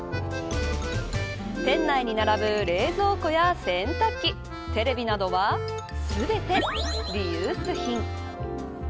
店内に並ぶ冷蔵庫や洗濯機テレビなどは全てリユース品。